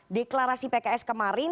deklarasi pks kemarin